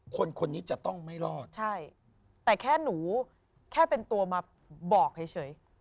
คนคนนี้จะต้องไม่รอดใช่แต่แค่หนูแค่เป็นตัวมาบอกเฉย